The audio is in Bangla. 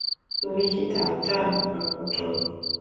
তুমি কি ডাক্তার না ঘটক?